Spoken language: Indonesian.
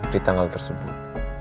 di tanggal tersebut